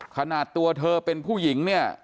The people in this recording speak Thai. ขนาดตัวเธอเป็นผู้หญิงเนี่ย